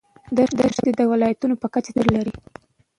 دښتې د ولایاتو په کچه توپیر لري.